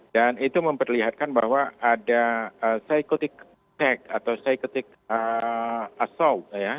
dan itu memperlihatkan bahwa ada psychotic attack atau psychotic assault ya